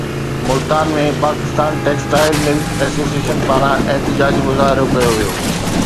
Multan ۾ Pakistan textile mills association پاران احتجاجي مظاهرو ڪيو ويو